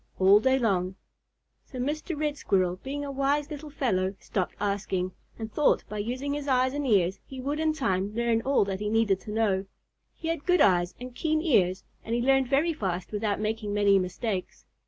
all day long. So Mr. Red Squirrel, being a wise little fellow, stopped asking, and thought by using his eyes and ears he would in time learn all that he needed to know. He had good eyes and keen ears, and he learned very fast without making many mistakes.